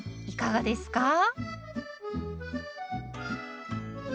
いかがですか？